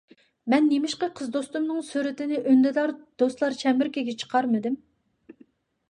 مەن نېمىشقا قىز دوستۇمنىڭ سۈرىتىنى ئۈندىدار دوستلار چەمبىرىكىگە چىقارمىدىم؟